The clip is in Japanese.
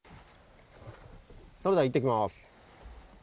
それでは、いってきます。